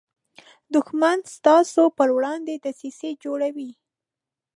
دښمن ستا پر وړاندې دسیسې جوړوي